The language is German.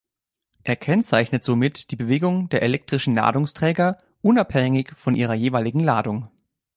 Er kennzeichnet somit die Bewegung der elektrischen Ladungsträger unabhängig von ihrer jeweiligen Ladung.